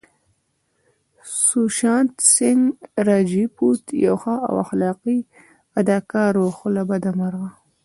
سوشانت سينګ راجپوت يو ښه او اخلاقي اداکار وو خو له بده مرغه